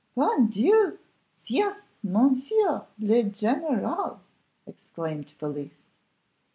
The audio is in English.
"Bon Dieu! C'est Monsieur le Général!" exclaimed Felicie.